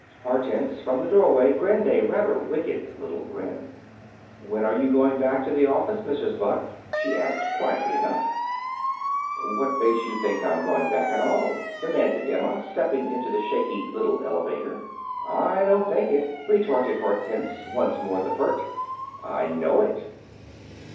Hortense, from the doorway, grinned a rather wicked little grin. "When are you going back to the office, Mrs. Buck?" she asked, quietly enough. "What makes you think I'm going back at all?" demanded Emma, stepping into the shaky little elevator. "I don't think it," retorted Hortense, once more the pert. "I know it."